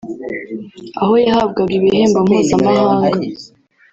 aho yahabwaga ibihembo mpuzamahanga